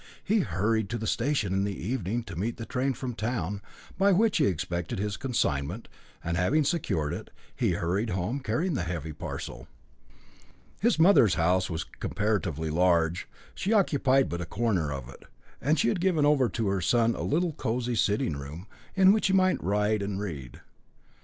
He hurried to the station in the evening, to meet the train from town, by which he expected his consignment; and having secured it, he hurried home, carrying the heavy parcel. His mother's house was comparatively large; she occupied but a corner of it, and she had given over to her son a little cosy sitting room, in which he might write and read.